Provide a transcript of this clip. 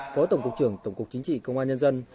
phó tổng cục trưởng tổng cục chính trị công an nhân dân